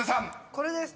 これです。